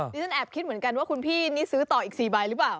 ฉันแอบคิดเหมือนกันว่าคุณพี่นี่ซื้อต่ออีก๔ใบหรือเปล่า